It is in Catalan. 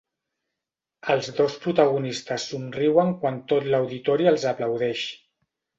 Els dos protagonistes somriuen quan tot l'auditori els aplaudeix.